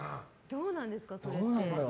どうなんですかね、それって。